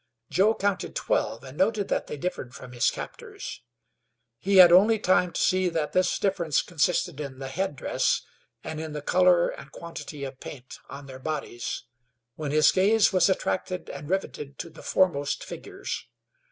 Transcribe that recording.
Joe counted twelve, and noted that they differed from his captors. He had only time to see that this difference consisted in the head dress, and in the color and quantity of paint on their bodies, when his gaze was attracted and riveted to the foremost figures.